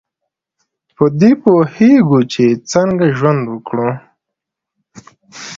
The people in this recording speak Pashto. په دې پوهیږو چې څنګه ژوند وکړو.